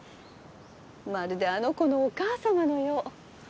まるであの子のお母さまのよう。